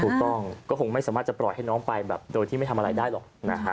ถูกต้องก็คงไม่สามารถจะปล่อยให้น้องไปแบบโดยที่ไม่ทำอะไรได้หรอกนะฮะ